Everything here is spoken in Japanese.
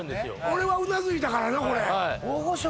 俺はうなずいたからな